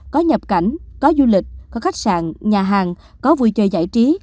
có nhập cảnh có du lịch có khách sạn nhà hàng có vui chơi giải trí